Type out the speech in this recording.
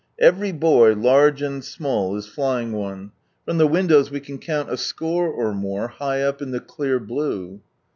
Every boy, large and small, is dying one. t'lom the windows we 1 a score or more high up in [he clear blue.